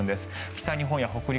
北日本や北陸